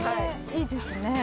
いいですね。